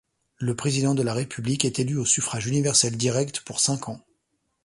Le président de la République est élu au suffrage universel direct pour cinq ans.